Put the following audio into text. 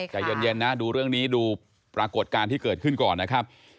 ใจเย็นนะดูเรื่องนี้ดูปรากฏการณ์ที่เกิดขึ้นก่อนนะครับ